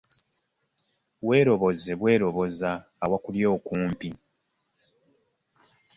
Weeroboza bweroboza awakuli okumpi.